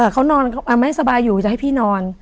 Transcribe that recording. เขานอนไม่สบายอยู่จะให้พี่นอน